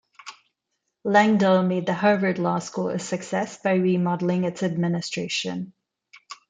Langdell made the Harvard Law School a success by remodeling its administration.